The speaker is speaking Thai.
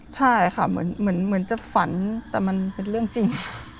ใช่ค่ะเหมือนจะฝันแต่มันเป็นเรื่องจริง